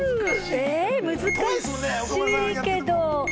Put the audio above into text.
難しいけど。